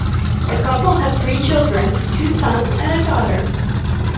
The couple have three children, two sons and a daughter.